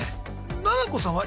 ななこさんは？